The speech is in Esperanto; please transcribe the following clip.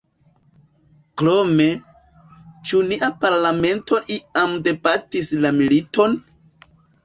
Krome: ĉu nia parlamento iam debatis la militon?